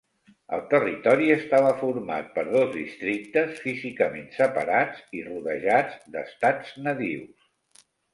El territori estava format per dos districtes físicament separats i rodejats d'estats nadius.